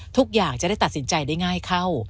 ทุกอย่างจะได้ตัดสินใจได้ง่ายเข้า